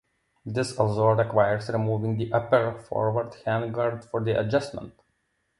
This also requires removing the upper forward handguard for the adjustment.